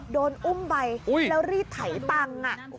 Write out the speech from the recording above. โดนอุ้มไปแล้วรีดไถตังค์